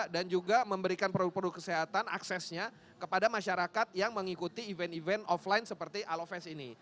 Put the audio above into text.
juga memberikan produk produk kesehatan aksesnya kepada masyarakat yang mengikuti event event offline seperti aloves ini